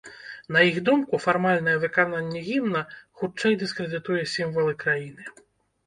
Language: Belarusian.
На іх думку, фармальнае выкананне гімна хутчэй дыскрэдытуе сімвалы краіны.